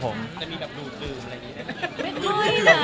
จะมีแบบดูดดื่มอะไรอย่างเงี้ยครับ